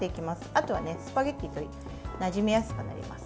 あとはスパゲッティとなじみやすくなります。